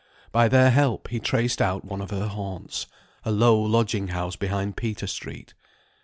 By their help he traced out one of her haunts, a low lodging house behind Peter Street.